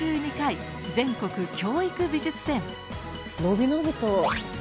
のびのびと。